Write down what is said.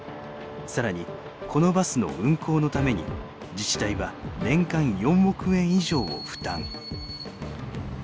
更にこのバスの運行のために自治体は年間４億円以上を負担。